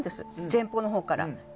前方のほうから。